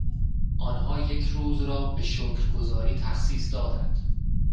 آنها یک روز را به شکرگزاری تخصیص دادند.